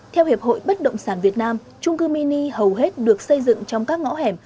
theo hiệp hội bất động sản việt nam trung cư mini hầu hết được xây dựng trong các ngõ hẻm